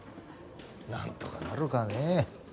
なんとかなるかね。